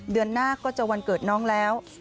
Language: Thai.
เดือนหน้าก็จะวันเกิดน้องแล้ว